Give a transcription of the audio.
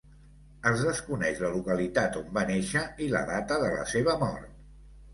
Es desconeix la localitat on va néixer i la data de la seva mort.